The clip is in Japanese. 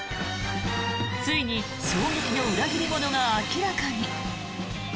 ついに衝撃の裏切り者が明らかに。